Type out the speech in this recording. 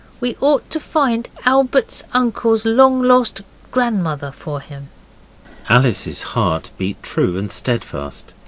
We ought to find Albert's uncle's long lost grandmother for him.' Alice's heart beat true and steadfast.